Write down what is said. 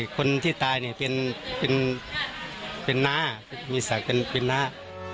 คนที่ตายเนี่ยเป็นน้ามีศักดิ์เป็นน้า